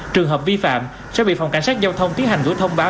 trường hợp vi phạm sẽ bị phòng cảnh sát giao thông tiến hành gửi thông báo